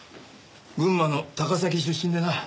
群馬の高崎出身でな